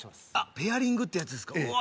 ペアリングってやつですかわあ